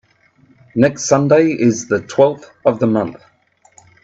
Next Sunday is the twelfth of the month.